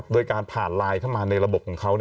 โดยการผ่านไลน์เข้ามาในระบบของเขา